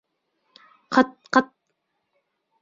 — Ҡыт-ҡыт!